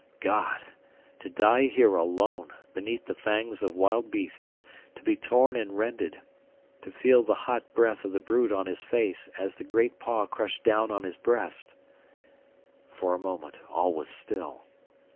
God! To die here alone, beneath the fangs of wild beasts; to be torn and rended; to feel the hot breath of the brute on his face as the great paw crushed down upon his breast! For a moment all was still.